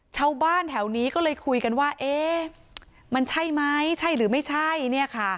ชาวบ้านแถวนี้ก็เลยคุยกันว่ามันใช่ไหมใช่หรือไม่ใช่